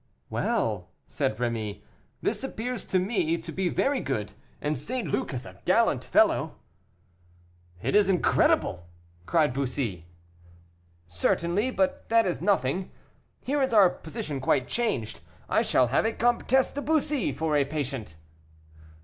"Well," said Rémy, "this appears to me to be very good and St. Luc is a gallant fellow." "It is incredible!" cried Bussy. "Certainly; but that is nothing. Here is our position quite changed; I shall have a Comtesse de Bussy for a patient."